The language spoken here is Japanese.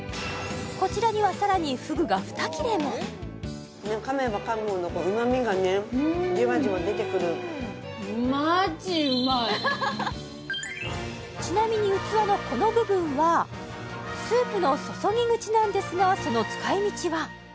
こちらにはさらにふぐが２切れもちなみに器のこの部分はスープの注ぎ口なんですがその使い道は？